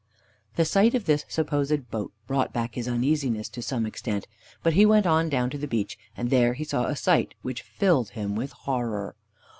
The sight of this supposed boat brought back his uneasiness to some extent, but he went on down to the beach, and there he saw a sight which filled him with horror.